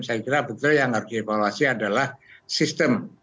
saya kira betul yang harus dievaluasi adalah sistem